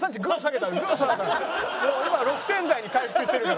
もう今は６点台に回復してるから。